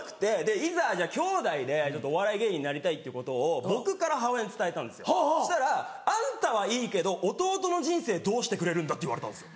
いざ兄弟でお笑い芸人になりたいっていうことを僕から母親に伝えたんですよそしたら「あんたはいいけど弟の人生どうしてくれるんだ」って言われたんですよ。